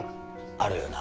あるよな？